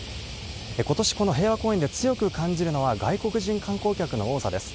ことし、この平和公園で強く感じるのは、外国人観光客の多さです。